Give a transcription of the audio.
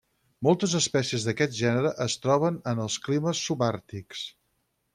Moltes espècies d'aquest gènere es troben en els climes subàrtics.